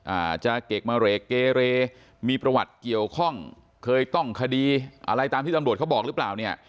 อาจจะเกรกมาเรกเกเรมีประวัติเกี่ยวข้องเคยต้องคดีอะไรตามที่ตำรวจเขาบอกหรือเปล่าเนี่ย